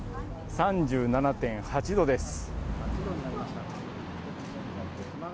３７．８度です。